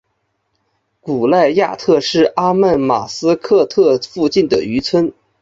古赖亚特是阿曼马斯喀特附近的渔村。